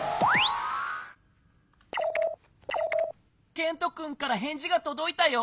ケントくんからへんじがとどいたよ。